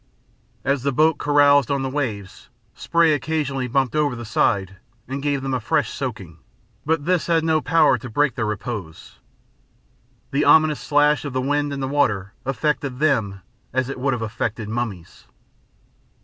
As the boat caroused on the waves, spray occasionally bumped over the side and gave them a fresh soaking, but this had no power to break their repose. The ominous slash of the wind and the water affected them as it would have affected mummies.